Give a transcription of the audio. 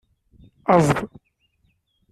Aẓ-d.